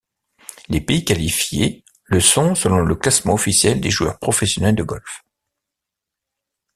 Les pays qualifiés le sont selon le classement officiel des joueurs professionnels de golf.